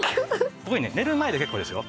ここにね寝る前で結構ですよ